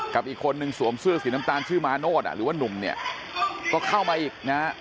กับอีกคนนึงสวมเสื้อสีน้ำตาลชื่อมาโนธหรือว่านุ่มเนี่ยก็เข้ามาอีกนะฮะ